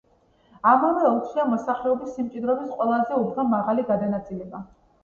ამავე ოლქშია მოსახლეობის სიმჭიდროვის ყველაზე უფრო მაღალი გადანაწილება.